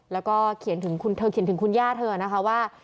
แล้วก็เขียนถึงเธอเขียนถึงคุณย่าเธอนะคะว่า